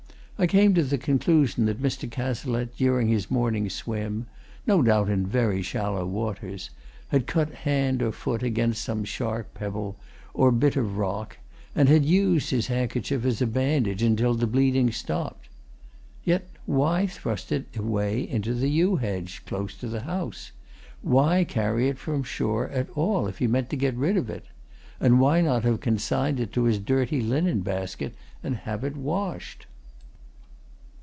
I came to the conclusion that Mr. Cazalette, during his morning swim no doubt in very shallow waters had cut hand or foot against some sharp pebble or bit of rock, and had used his handkerchief as a bandage until the bleeding stopped. Yet why thrust it away into the yew hedge, close to the house? Why carry it from the shore at all, if he meant to get rid of it? And why not have consigned it to his dirty linen basket and have it washed?